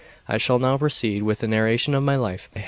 XX I SHALL now proceed with the narration of my life.